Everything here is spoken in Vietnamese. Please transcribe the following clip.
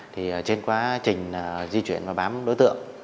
thì trên quá trình di chuyển và bám đối tượng